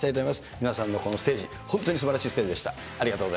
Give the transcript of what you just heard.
皆さんのこのステージ、本当にすばらしいステージでした。